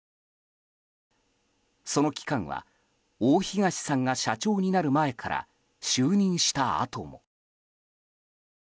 その期間は大東さんが社長になる前から就任したあとも。